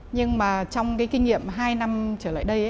nhưng mà trong cái kinh nghiệm hai năm trở lại đây